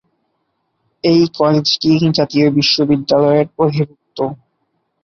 এই কলেজটি জাতীয় বিশ্ববিদ্যালয়ের অধিভুক্ত।